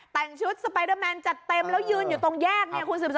แต่งชุดสปาเดอร์แมนจัดเต็มแล้วยืนอยู่โตงแยก